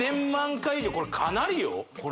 回以上これかなりよこれ？